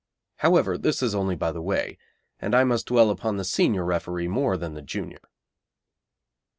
However, this is only by the way, and I must dwell upon the senior referee more than the junior.